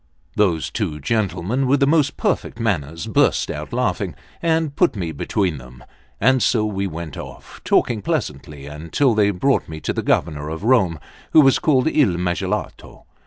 Those two gentlemen, with the most perfect manners, burst out laughing, and put me between them; and so we went off, talking pleasantly, until they brought me to the Governor of Rome, who was called Il Magalotto.